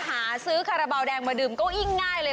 หาซื้อคาราบาลแดงมาดื่มก็ยิ่งง่ายเลย